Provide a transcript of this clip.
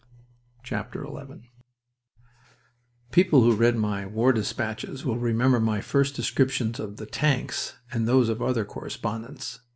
XI People who read my war despatches will remember my first descriptions of the tanks and those of other correspondents.